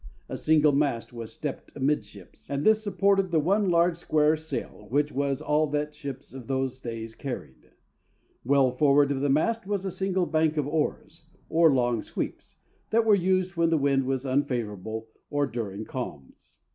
A single mast was stepped amidships, and this supported the one large square sail which was all that ships of those days carried. Well forward of the mast was a single bank of oars, or long sweeps, that were used when the wind was unfavorable, or during calms.